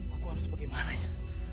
aku harus bagaimana ya